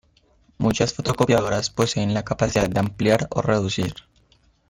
Muchas fotocopiadoras poseen la capacidad de ampliar o reducir.